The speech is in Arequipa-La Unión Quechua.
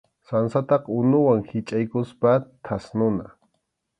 Sansataqa unuwan hichʼaykuspa thasnuna.